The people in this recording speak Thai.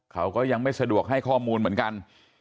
เขาก็ยังไม่สะดวกให้ข้อมูลเหมือนกัน